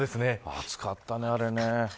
暑かったね、あれね。